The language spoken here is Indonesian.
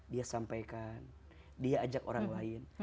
dia sampaikan dia ajak orang lain